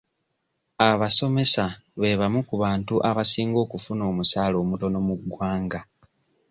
Abasomesa be bamu ku bantu abasinga okufuna omusaala omutono mu ggwanga.